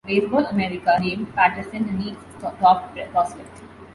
"Baseball America" named Patterson the league's top prospect.